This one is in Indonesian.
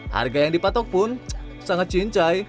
harga yang dipatok pun sangat cincai